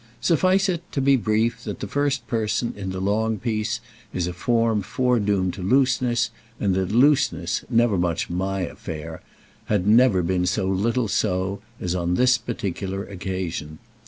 Suffice it, to be brief, that the first person, in the long piece, is a form foredoomed to looseness and that looseness, never much my affair, had never been so little so as on this particular occasion.